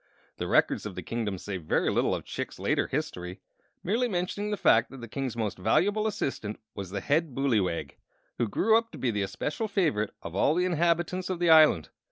The Records of the Kingdom say very little of Chick's later history, merely mentioning the fact that the King's most valuable assistant was the Head Booleywag, who grew up to be the especial favorite of all the inhabitants of the island.